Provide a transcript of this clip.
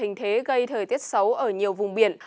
hình thế gây thời tiết xấu ở nhiều vùng biển